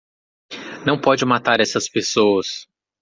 Não pode matar essas pessoas